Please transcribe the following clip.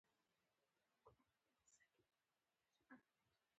رباب په مرګ محکوم دی